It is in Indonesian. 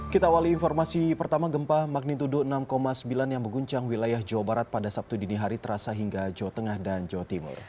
kita awali informasi pertama gempa magnitudo enam sembilan yang mengguncang wilayah jawa barat pada sabtu dini hari terasa hingga jawa tengah dan jawa timur